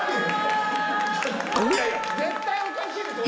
いやいや絶対おかしいでしょ！